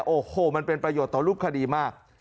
โอ้โหมันเป็นประโยชน์ต่อรูปคดีมาก